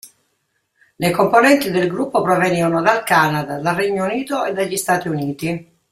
Le componenti del gruppo provenivano dal Canada, dal Regno Unito e dagli Stati Uniti.